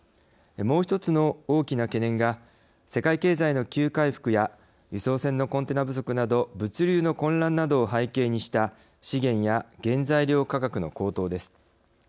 もう一つの大きな懸念が世界経済の急回復や輸送船のコンテナ不足など物流の混乱などを背景にした資源や原材料価格の高騰です。